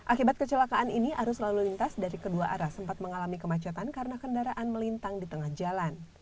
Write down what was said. akibat kecelakaan ini arus lalu lintas dari kedua arah sempat mengalami kemacetan karena kendaraan melintang di tengah jalan